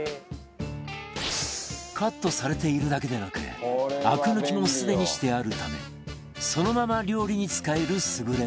カットされているだけでなくアク抜きもすでにしてあるためそのまま料理に使える優れもの